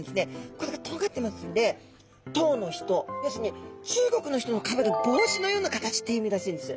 これがとんがってますんで唐の人要するに中国の人のかぶる帽子のような形っていう意味らしいんです。